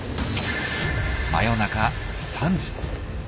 真夜中３時。